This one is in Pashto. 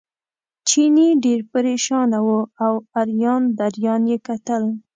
چیني ډېر پرېشانه و او اریان دریان یې کتل.